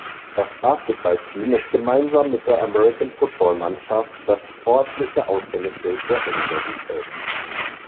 Das Basketballteam ist gemeinsam mit der American Football Mannschaft das sportliche Aushängeschild der Universität.